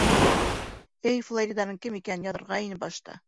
Эй, Флориданың кем икәнен яҙырға ине башта!